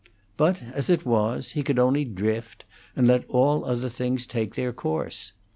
But as it was, he could only drift, and let all other things take their course.